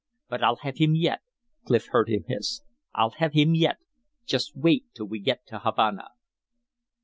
"But I'll have him yet!" Clif heard him hiss. "I'll have him yet. Just wait till we get to Havana."